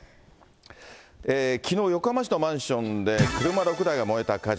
きのう、横浜市のマンションで車６台が燃えた火事。